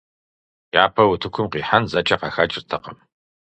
Япэу утыкум къихьэн зэкӀэ къахэкӀыртэкъым.